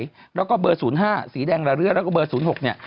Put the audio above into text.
แล้วก็เบอร์ศูนย์ห้าสีแดงละเลือดแล้วก็เบอร์ศูนย์หกเนี่ย